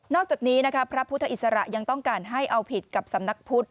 อกจากนี้พระพุทธอิสระยังต้องการให้เอาผิดกับสำนักพุทธ